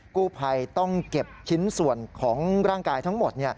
กู้ภัยต้องเก็บชิ้นส่วนของร่างกายทั้งหมด